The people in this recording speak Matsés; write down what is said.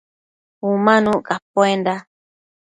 Umanuc capuenda